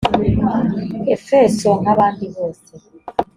efeso nk abandi bose